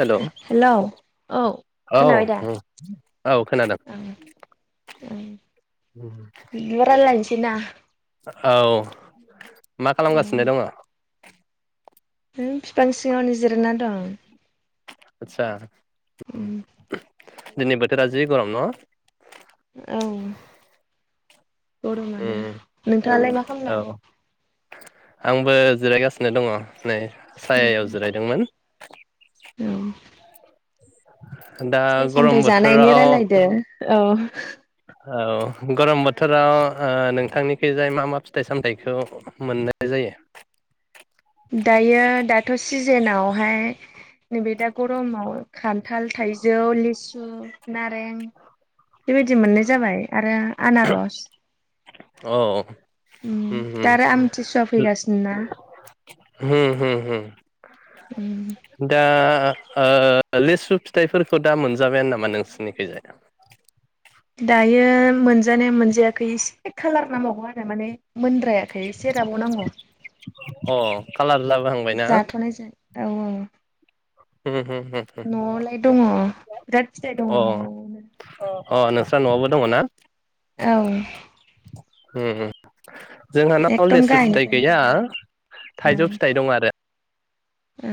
Hello hello औ औ ओम औ खोनादों ओम उम राललायनोसैना। औ मा ओं खालामगासिनो दङ? नों बिफां सिङावनो जिरना दं आदसा उम। दिनै बोथोरा जि गरम न। औ गरमानो उम नोंथाङालाय मा औ खालामदों? आंबो जिरायगासिनो दङ नै खालामदों सायायाव जिरायदोंमोन। औ दा फिथाइ गरम सामथाइ जानायनि बोथोराव रायलायदो औ औ गरम बोथोराव नोंथांनिखैजाय मा मा फिथाइ सामथाइखौ मोननाय जायो दायो दाथ' सिजेनावहाय नैबे दा गरमाव खान्थाल थाइजौ लिसु नारें बेबायदि मोननाय जाबाय आरो आनारस औ उम उम दा आरो आमथिसुवा फैगासिनो ना होम होम होम ओम दा ओ लिसु फिथाइफोरखौ दा मोनजाबायानो नामा नोंसिनिखैजाय दायो मोनजानाया मोनजायाखै एसे खालार नांबावगौ आरो माने मोनद्रायाखै एसे राबाव नांगौ अ कालार जाबोहांबायना जाथ'नाय जाय दा औ औ उम उम उम न'आवलाय दङ बिराद फिथाइ दङ न'आव अ अ नोंस्रा न'आवबो दङ ना औ ओम ओम जोंहानाव एकदम लेसु फिथाइ गाहायनिफ्रायनो गैया थायदों थाइजौ फिथाइ दं आरो औ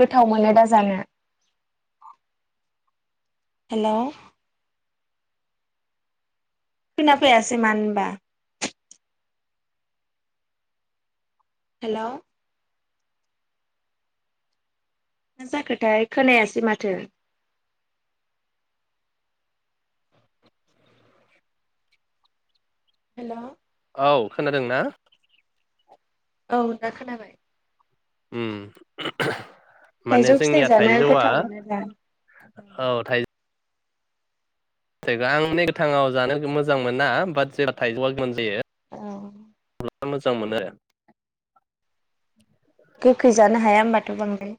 गोथाव मोनो दा जानो हेलौ खोना फैयासै मानोबा हेलौ मा जाखोथाय खोनायासै माथो हेलौ औ खोनादों ना औ दा खोनाबाय ओम माने थाइजौ फिथाइ जोंनिया जानो थाइजौआ गोथाव मोनो दा औ थाइ जेसेबां माने गोथाङाव जानो मोजां मोना बाट जेब्ला थाइजौआ गोमोन जायो औ मोजां मोनो आरो गोखै जानो हाया होमबाथ' बांद्राय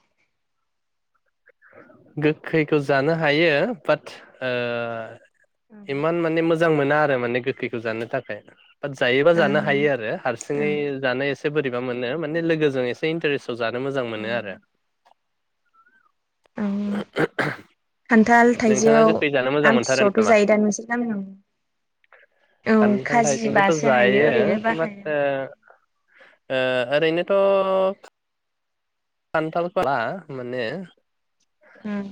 गोखैखौ जानो हायो बाट ओ ओं इमान माने मोज मोजां मोना आरो माने गोखैखौ जानो थाखाय बात जायोबा ओं जानो ओं हायो आरो हारसिङै ओं जानो एसे बोरैबा मोनो माने लोगोजों एसे इन्टारेस्टआव जानो मोजां औ मोनो आरो औ [unintelligible] खान्थाल थाइजौ नोंथाङा गोखै जानो मोजां मोनथारो आमथिसुआवथ' नामा जायो दा नोंसोर गामियावबो खान्थाल थाइजौखौथ' हायो ओरैनोबा जायो हाया बात ओ ओ ओरैनोथ' खान्थालफोरा माने उम।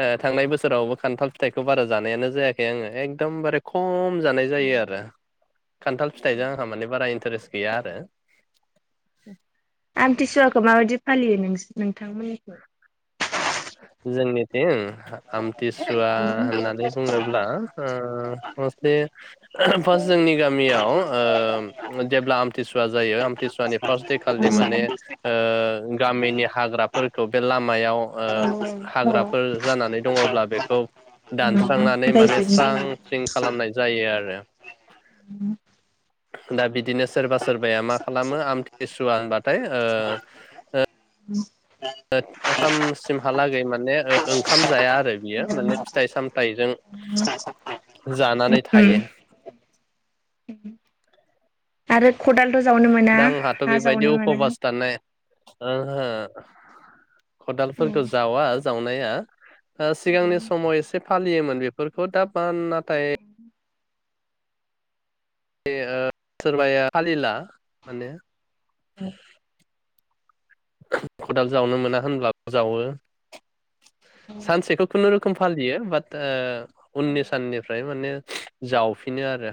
ओ थांनाय बोसोरावबो खान्थाल फिथाइखौ बारा जानायानो जायाखै आङो एखदमबारे खम जानाय जायो आरो खान्थाल फिथाइजों आंहा माने बारा इन्टारेस्ट गैया आरो आमथिसुवाखौ माबायदि फालियो नोंसि नोंथांमोननिखै जोंनिथिं आमथिसुवा होननानै बुङोब्ला ओ मुथुथे फार्स्ट जोंनि गामियाव ओ जेब्ला आमथिसुवा जायो आमथिसुवानि फार्स्ट हैखालि माने गामिनि हाग्राफोरखौ बे लामायाव ओ औ हाग्राफोर जानानै दङब्ला बेखौ दानस्रांनानै माने स्रां स्रिं खालामनाय जायो आरो उम दा बिदिनो सोरबा सोरबाया मा खालामो आमथिसुवा होनबाथाय ओ [unintelligible] [unintelligible] थामसिमहालागै माने ओ-ओंखाम जाया आरो बियो माने फिथाइ सामथाइजों जानानै थायो। उम आरो खदालथ' जाव दा आंहाथ' बेबायदि उपबास थानाय ओंहो खदालफोरखौ जावा जावनाया। ओ सिगांनि समाव एसे फालियोमोन बेफोरखौ दा [unintelligible] नाथाय [unintelligible] ओ सोरबाया फालिला माने [unintelligible] खदाल जावनो मोना होनब्लाबो जावो। सानसेखौ खुनुरोखोम फालियो बात ओ उननि साननिफ्राय माने जावफिनो आरो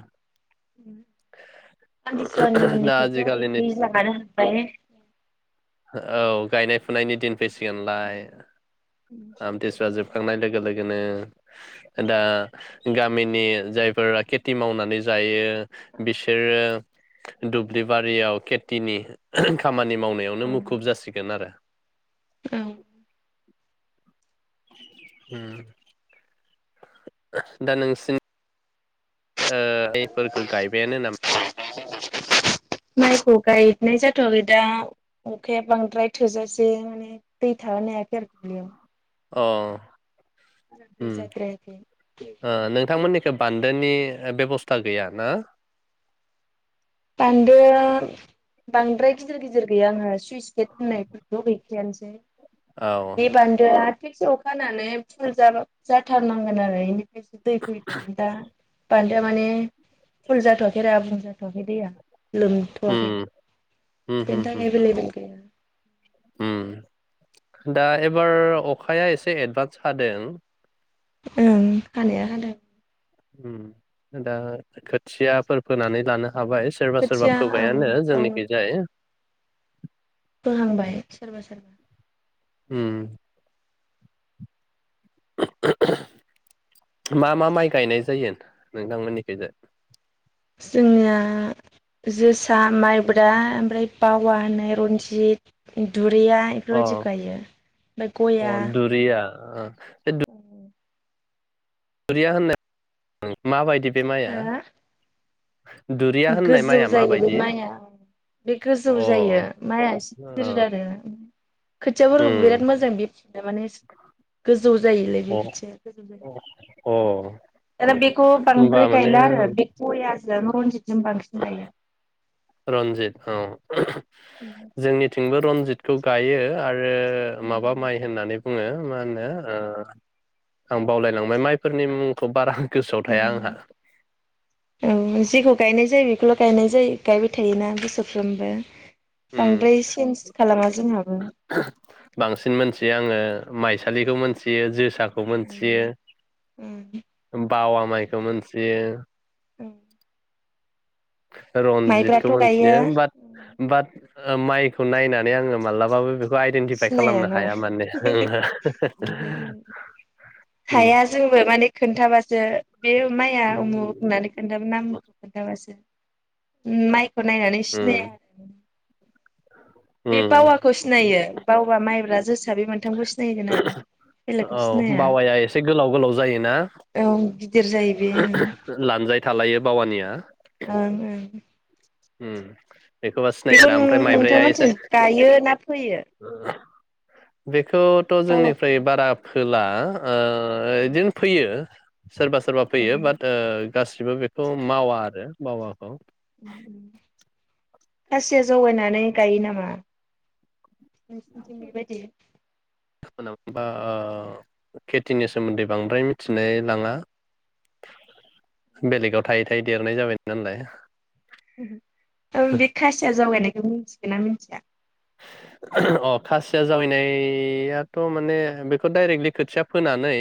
आमथिसुवानि दा उननिफ्रायथ' ओरै आजिखालिनि दैज्लाङानो हाबबाय। औ गायनाय फुनायनि दिन फैसिगोनलाय औ आमथिसुवा जोब खांनाय लोगो लोगोनो। दा गामिनि जायफोरा खेथि मावनानै जायो बिसोरो दुब्लि बारियाव खेथिनि खामानि मावनायावनो मुख खुब जासिगोन आरो औ। उम। दा नोंसिनि ओ [unintelligible] फोरखौ गायबायानो नाम [inaudible] माइखौ गायनाय जाथ'वाखै दा अखाया बांद्राय थोजासे माने दै थाहोनो हायाखै आरो दुब्लियाव। अ। दै उम जाद्रायाखै [unintelligible] ओ नोंथांमोननि बान्दोनि बेब'स्था गैया ना बान्दोआ बांद्राय गिदिर गिदिर गैयानो सुइस गेट होननायफोरथ' गै एखेयानसै औ बान्दो आ थिकसे अखा हानानै फुल जाबा जाथारनांगोन आरो एनि फ्रायसो दै फैगोन दा बान्दोआ माने फुल जाथ'वाखै आरो आबुं जाथ'वाखै दैया लोम थ'वाखै उम उम बेनि उम उम थाखाय एभेलेबेल गैया उम दा एबार अखाया एसे एदभान्स हादों ओं हानाया हादों। उम दा खोथियाफोर फोनानै लानो हाबाय। सोरबा सोरबा खोथिया औ फोबायानो औ जोंनिखैजाय। फोहांबाय सोरबा सोरबा उम। [unintelligible] मा मा माइ गायनाय जायो नोंथांमोननिखिजाय जोंनिया जोसा माइब्रा ओमफ्राय वावा होननाय रन्जित दुरियाइ अ रनजित गायो ओमफ्राय अ गया दुरिया ओ [inaudible] दुरिया होननाय [unintelligible] माबायदि बे माइया गया हो गोजौ जायो बे माबायदि अ माइया बे गोजौ जायो ओ माइया एसे गिदिर आरो खोथियाफोरबो बिराद उम मोजां बे माने गोजौ जायोलै बे अ खोथिया गोजौ जायो अ आरो बेखौ होमबा बांद्राय माने गायला आरो बे गयासो रनजितजों बांसिन गायो रनजित औ [unintelligible] [inaudible] जोंनिथिंबो रनजितखौ गायो आरो माबा माइ होननानै बुङो मा होनो ओ आं बावलायलांबाय माइफोरनि मुंखौ बारा गोसोआव थाया उम आंहा [inaudible] औ जेखौ गायनाय जायो बेखौल' गायनाय जायो गायबाय थायोना बोसोरफ्रोमबो उम बांद्राय चेन्स खालामा जोंहाबो बांसिन मोनथियो आङो माइसालिखौ मोनथियो जोसाखौ मोनथियो बावा माइखौ मोनथियो [inaudible] माइब्राथ' रनजितखौ गायो मिथियो बात बात माइखौ नायनानै आङो मालाबाबो बेखौ आइदेन्टिफाइ खालामनो सिनायानो हाया माने [unintelligible] हाया जोंबो माने खोन्थाबासो बे माइया उमुख होनना - नानै खोनथाबा नामखौ खोनथाबासो माइखौ नायनानै उम सिनाया बे उम बावाखौ सिनायो बावबा माइब्रा जोसा बे मोनथामखौ सिनायगोन आरो बेलेगखौ औ सिनाया बावाया एसे गोलाव गोलाव जायोना औ गिदिर जायो बेयो ओ लानजाइ थालायो बावानिया ओ ओ उम बेखौबा बेखौ सिनायगोन ओमफ्राय माइब्राया एसे नोंथांमोनथिं गायो ना फोयो [inaudible] बेखौथ' बावाखौ? जोंनिफ्राय बारा फोला ओ इदिनो फैयो सोरबा सोरबा फैयो बाट ओ गासिबो बेखौ मावा आरो बावाखौ। खासिया जावायनानै गायो नामा? नोंसोरनिथिं बेबायदि बा ओ ओ खेथिनि सोमोन्दै बांद्राय मिथिनाय लाङा। बेलेगाव थायै थायै देरनाय जाबाय नालाय। नों बे खासिया जावगायनायखौ मिथिगो ना मिथिया अ खासिया जावैनायाथ' माने बेखौ डाइरेक्टलि खोथिया फोनानै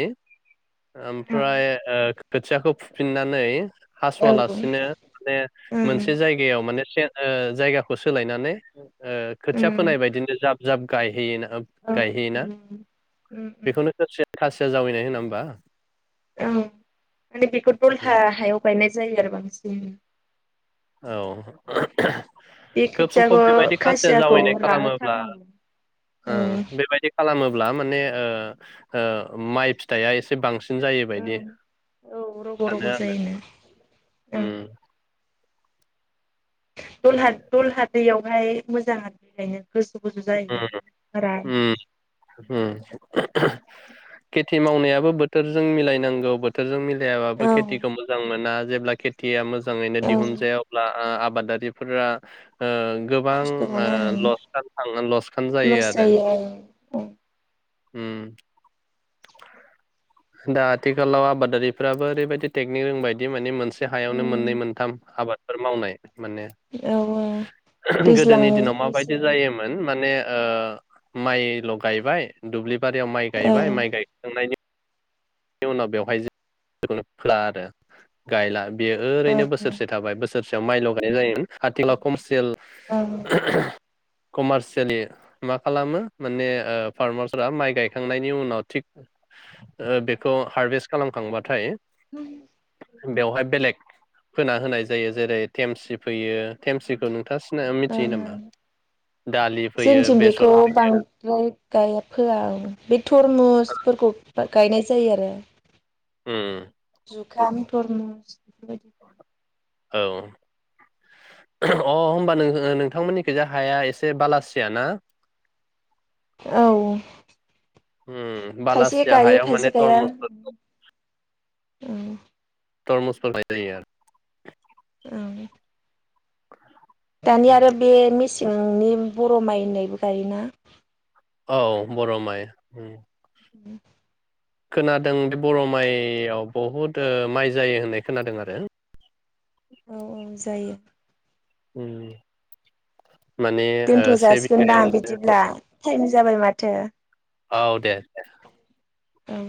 ओमफ्राय ओ खोथियाखौ फुफिननानै औ हास'वालासिनो बे उम मोनसे जायगायाव माने से ओ जायगाखौ सोलायनानै ओ खोथिया उम फोनाय बायदिनो जाब जाब गायहैयो औ गायहैयोना उम उम उम बेखौनो खोथिया खासिया जावैनाय होना होमबा? औ माने बेखौ दलहा हायाव गायनाय जायो आरो बांसिन औ [unintelligible] बे खोब समफब खोथियाखौ बेबायदि खासिया खासियाखौ जावैनाय खालामोब्ला राहोथारनांगौ औ उम बेबायदि खालामोब्ला माने ओ ओ माइ फिथाइया एसे बांसि सिन औ जायोबायदि औ रग' रग' सानो आंङो जायोना ओं उम दलहा दलहा दैैयावहाय मोजां आरो बे गायनो। गोजौ गोजौ जायोना उम बारा उम उम खेथि मावनायाबो बोथोरजों मिलायनांगौ बो थोरजों मिलायाबाबो औ खेथिखौ मोजां मोना जेब्ला खेथिया मो मोजांयैनो औ दिहुनजाया अब्ला आ आबादारिफोरा ओ गोबां खस्थ' ओ मोनो लसखान थाङो लसखान जायो आरो। ओ उम दा आथिखालाव आबादारिफ्राबो ओरैबायदि टेकनिक रोंबायदि माने मोन से हायावनो मोननै मोनथाम आबादफोर मावनाय माने औ दैज्लां गोदोनि दिनाव माबायदि मेसें जायो मोन औ माने ओ माइल' गायबाय दुब्लि बारियाव माइ औ गायबाय माइ गायखांनायनि बिनि उनाव बेवहाय खौनो फोला आरो गायला बेयो औ ओरैनो बोसोरसे थाबाय बोसो रसेयाव माइल' गायनाय जायोमोश आथिखाव कमारसियेल ओं कमारसियलि मा खालामो माने ओ फारमारफोरा माइ गायखांनायनि उनाव थिग ओ बे खौ हारभेस्ट खालामखांबाथाय बेवहाय बेलेग फोना होनाय जायो जेरै थेमसि फैयो थेमसिखौ नोंथां सिना मिथियो नामा? ओं दालि फैयो बेसर फैयो। नै गाय फोआ औ बे थरमुसफोरखौ गायनाय जायो आरो। उम जुखाम, थरमुस बेफोरबायदि औ अ होमबा नों-नोंथांमोननिखिजा हाया एसे बालासिया ना? औ उम खायसे बालासिया गायो हायाव माने खायसे गाया थरमुजफोरखौ औ थरमुस फोनाय जायो आरो। औ दानिया आरो बे मेसेंनि बर' माइ होननायबो गायोना। औ बर' माइ उम उ खोनादों बे बर' माइआव बहुद ओ माइ जायो होननाय खोनादों आरो। औ औ जायो। उम माने ओ दोनथ' से जासिगोनदां बिघायाव बिदिब्ला टाइम जाबाय माथो। औ दे औ